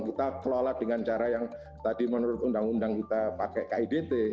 kita kelola dengan cara yang tadi menurut undang undang kita pakai kidt